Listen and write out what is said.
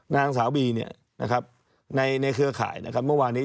นางสาวบีในเครือข่ายเมื่อวานนี้